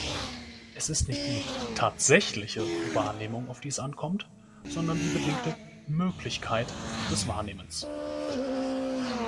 Es ist nicht die „tatsächliche“ Wahrnehmung, auf die es ankommt, sondern die bedingte „Möglichkeit“ des Wahrnehmens.